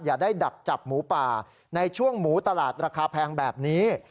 อย่าได้ดักจับหมูป่าในช่วงหมูตลาดราคาแพงแบบนี้